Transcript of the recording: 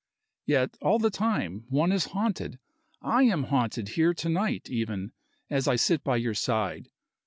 Yet all the time one is haunted. I am haunted here to night, even, as I sit by your side.